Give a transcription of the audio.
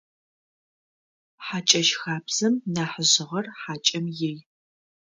Хьакӏэщ хабзэм нахьыжъыгъэр хьакӏэм ий.